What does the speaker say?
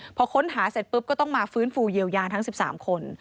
พอค้นหาเสร็จปุ๊บก็ต้องมาฟื้นฟูเยียวยาทั้ง๑๓คน